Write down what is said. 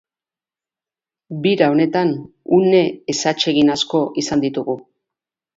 Bira honetan une ezatsegin asko izan ditugu.